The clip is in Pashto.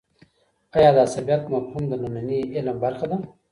آیا د عصبيت مفهوم د ننني علم برخه ده؟